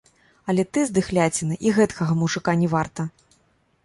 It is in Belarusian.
Але ты, здыхляціна, і гэткага мужыка не варта!